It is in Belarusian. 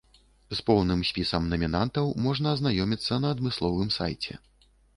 З поўным спісам намінантаў можна азнаёміцца на адмысловым сайце.